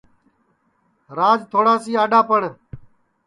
راج تھوڑاسی اڈؔا پڑ